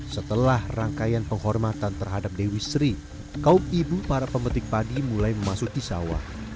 setelah rangkaian penghormatan terhadap dewi sri kaum ibu para pemetik padi mulai memasuki sawah